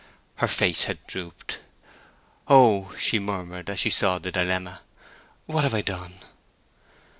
Her face had drooped. "Oh!" she murmured, as she saw the dilemma. "What have I done!"